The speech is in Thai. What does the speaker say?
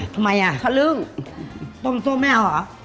ทำไมอะค้ารึ๊งโต้มส้มแม่หรอ